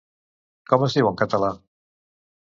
Com es diu en català?